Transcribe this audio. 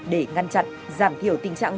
để ngăn chặn giảm thiểu tình trạng